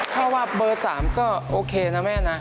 ถ้าว่าเบอร์๓ก็โอเคนะแม่นะ